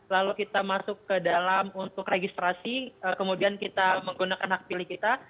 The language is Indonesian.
lalu kita masuk ke dalam untuk registrasi kemudian kita menggunakan hak pilih kita